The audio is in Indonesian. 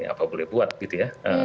apa boleh buat gitu ya